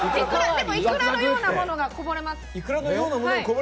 でもいくらのようなものがこぼれます。